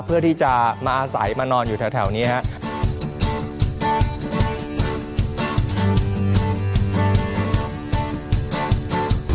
เพื่อที่จะมาอาศัยมานอนอยู่แถวนี้ครับ